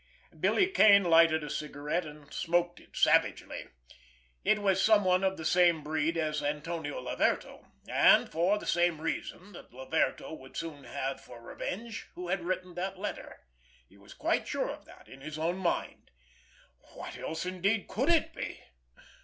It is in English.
Billy Kane lighted a cigarette, and smoked it savagely. It was someone of the same breed as Antonio Laverto, and for the same reason that Laverto would soon have for revenge, who had written that letter. He was quite sure of that in his own mind. What else, indeed, could it be?